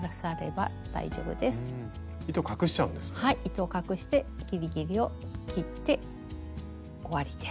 糸を隠してギリギリを切って終わりです。